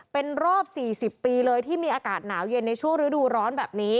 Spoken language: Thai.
เป็นรอบ๔๐ปีเลยที่มีอากาศหนาวเย็นในช่วงฤดูร้อนแบบนี้